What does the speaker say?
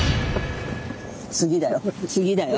次だよ